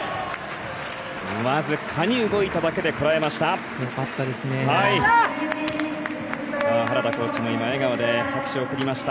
わずかに動いただけでこらえました。